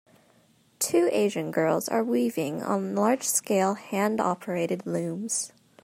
Two Asian girls are weaving on large scale handoperated looms.